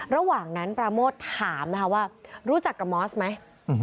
ระหว่างนั้นปราโมทถามนะคะว่ารู้จักกับมอสไหม